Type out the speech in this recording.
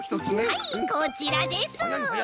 はいこちらです。